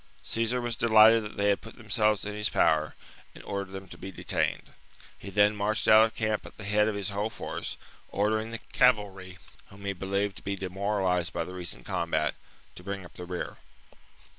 Caesar was delighted that they had put themselves in his power, and ordered them to be detained : he then marched out of camp at the head of his whole force, ordering the cavalry, whom he believed to be demoralized by the recent combat, to bring up the rear.